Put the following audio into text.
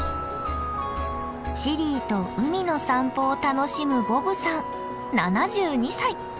シリーと海の散歩を楽しむボブさん７２歳。